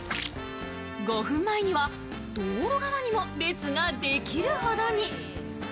５分前には道路側にも列ができるほどに。